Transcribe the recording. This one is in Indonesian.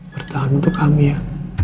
bertahan untuk kami ya